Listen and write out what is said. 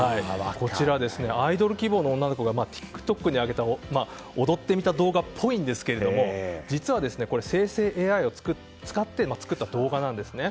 こちらはアイドル希望の女の子がＴｉｋＴｏｋに上げた踊ってみた動画っぽいんですけど実は、生成ＡＩを使って作った動画なんです。